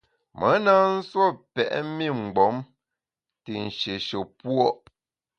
Me na nsuo pèt mi mgbom te nshéshe puo’.